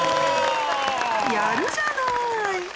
やるじゃない！